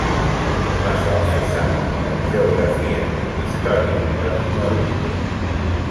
Massalfassar: geografia, història, patrimoni.